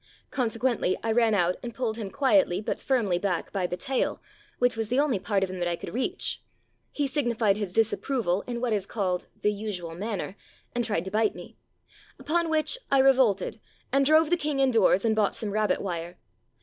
Con sequently I ran out and pulled him quietly but firmly back by the tail, which was the only part of him that I could reach. He signified his disapproval 256 There Arose a King in what is called "the usual manner," and tried to bite me. Upon which I revolted and drove the king indoors, and bought some rabbit wire.